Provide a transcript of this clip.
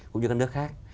cũng như các nước khác